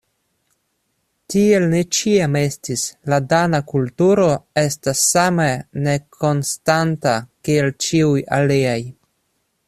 Tiel ne ĉiam estis – la Dana kulturo estas same nekonstanta kiel ĉiuj aliaj.